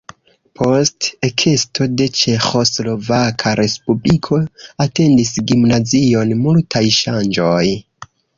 Post ekesto de Ĉeĥoslovaka Respubliko atendis gimnazion multaj ŝanĝoj.